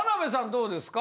どうですか？